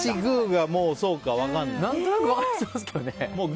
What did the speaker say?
何となく分かりますけどね。